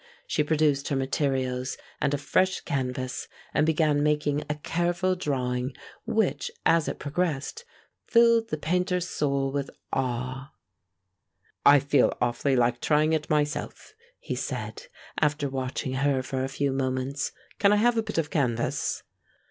She produced her materials and a fresh canvas, and began making a careful drawing, which, as it progressed, filled the Painter's soul with awe. "I feel awfully like trying it myself," he said, after watching her for a few moments. "Can I have a bit of canvas?"